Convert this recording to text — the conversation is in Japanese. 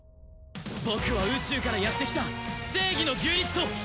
僕は宇宙からやってきた正義のデュエリスト！